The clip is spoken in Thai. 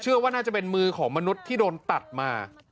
ว่าน่าจะเป็นมือของมนุษย์ที่โดนตัดมา